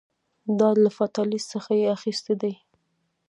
دا له فاتالیس څخه یې اخیستي دي